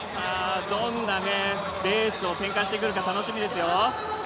どんなレースを展開してくるか楽しみですよ。